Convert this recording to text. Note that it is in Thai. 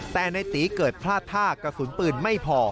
แต่ในตีเกิดพลาดท่ากระสุนปืนไม่พอ